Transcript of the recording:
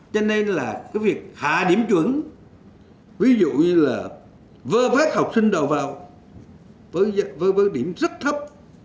cho nên là cái việc hạ điểm chuẩn ví dụ như là vơ vác học sinh đầu vào với điểm rất thấp